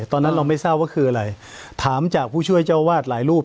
ตอนนั้นเราไม่ทราบว่าคืออะไรถามจากผู้ช่วยเจ้าวาดหลายรูป